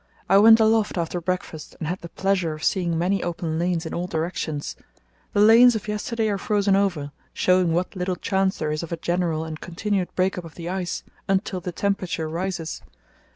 I went aloft after breakfast and had the pleasure of seeing many open lanes in all directions. The lanes of yesterday are frozen over, showing what little chance there is of a general and continued break up of the ice until the temperature rises.